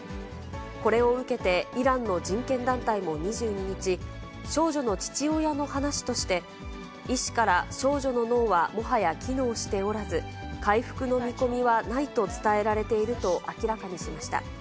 これを受けてイランの人権団体も２２日、少女の父親の話として、医師から少女の脳はもはや機能しておらず、回復の見込みはないと伝えられていると明らかにしました。